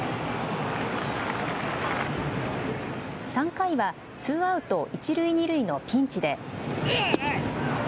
３回はツーアウト１塁２塁のピンチで。